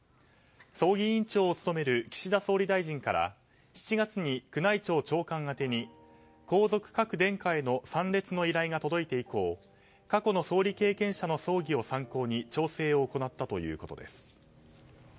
葬儀委員長を務める岸田総理大臣から７月に宮内庁長官宛てに皇族各殿下への参列の依頼が届いて以降過去の総理経験者の葬儀を参考に調整を行ったということです。